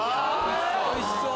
おいしそう！